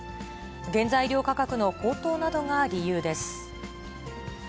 原材料価格の高騰などが理由です。